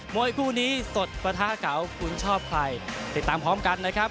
วยคู่นี้สดประทะเก่าคุณชอบใครติดตามพร้อมกันนะครับ